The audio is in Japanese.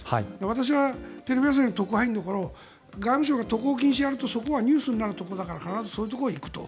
私はテレビ朝日の特派員の頃外務省が渡航禁止をやるとそこがニュースになるところだから必ずそういうところに行くと。